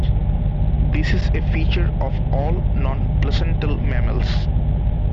This is a feature of all non-placental mammals.